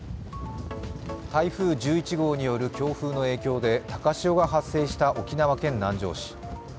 台風１１号による強風の影響で高潮が発生した沖縄県南城市。